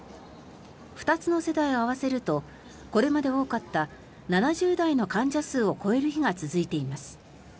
２つの世代を合わせるとこれまで多かった７０代の患者数を超える日が続いています。